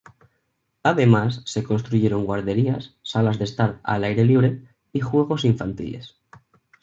Además, se construyeron guarderías, salas de estar al aire libre y juegos infantiles.